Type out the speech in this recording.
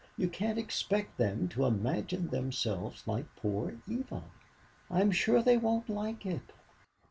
You can't expect them to imagine themselves like poor Eva. I'm sure they won't like it."